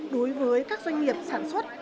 đối với các doanh nghiệp sản xuất